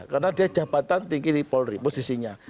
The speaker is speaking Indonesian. karena dia jabatan tinggi di polri posisinya